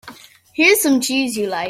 Here's some cheese you like.